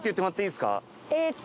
えーっと。